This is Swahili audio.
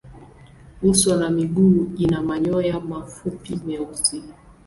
Uso na miguu ina manyoya mafupi meusi.